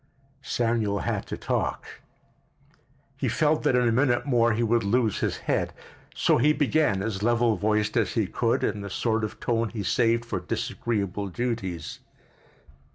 Samuel had to talk. He felt that in a minute more he would lose his head. So he began, as level voiced as he could—in the sort of tone he saved for disagreeable duties.